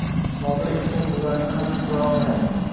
Nodir aka bularni hazm qila olmayapti